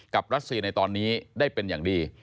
รัสเซียในตอนนี้ได้เป็นอย่างดี